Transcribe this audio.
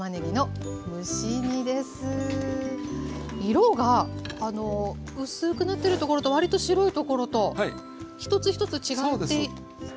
色があの薄くなってるところと割と白いところと一つ一つ違っているんですね。